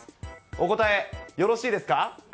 お答えよろしいですか。